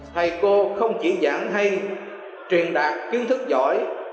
thầy cô không chỉ giảng hay truyền đạt kiến thức giỏi